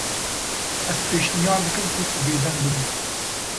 Ez pêşniyar dikim ku tu bêdeng bibî.